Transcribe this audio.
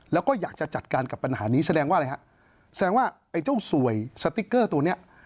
แล้วก็อยากจะจัดการกับปัญหานี้แสดงว่าไอ้เจ้าสวยสติกเกอร์ตรงนี้